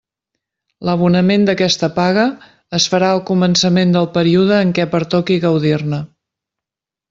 L'abonament d'aquesta paga es farà al començament del període en què pertoqui gaudir-ne.